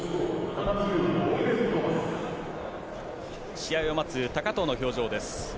試合を待つ高藤の表情です。